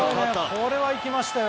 これはいきましたよ。